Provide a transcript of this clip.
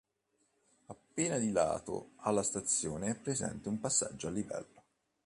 Appena di lato alla stazione è presente un passaggio a livello.